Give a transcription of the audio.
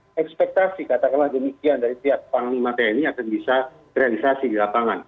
dan ekspektasi katakanlah demikian dari setiap panggung lima tni akan bisa terrealisasi di lapangan